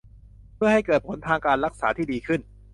เพื่อให้เกิดผลทางการรักษาที่ดีขึ้น